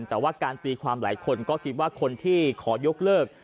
แต่ว่าการตีความหลายคนก็คิดว่าคนที่ขอยกเลิก